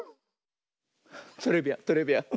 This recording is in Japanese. トレビアントレビアン。